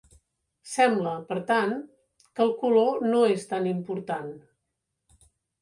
Sembla, per tant, que el color no és tan important.